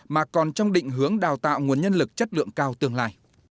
mà còn trong định hướng đào tạo nguồn nhân lực chất lượng cao tương lai